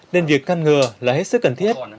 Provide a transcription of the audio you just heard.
nên việc căn ngừa là hết sức cần thiết